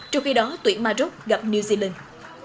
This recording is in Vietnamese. trong khi đó tuyển maroc gặp new zealand